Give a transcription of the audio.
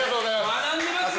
学んでますね。